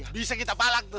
bisa kita palak tuh